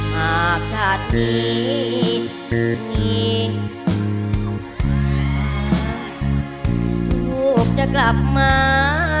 หากชาตินี้ลูกจะกลับมา